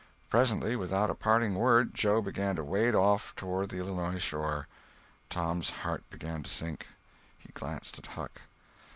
Presently, without a parting word, Joe began to wade off toward the Illinois shore. Tom's heart began to sink. He glanced at Huck.